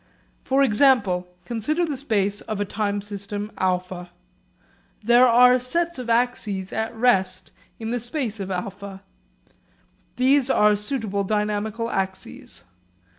For example, consider the space of a time system α. There are sets of axes at rest in the space of α. These are suitable dynamical axes.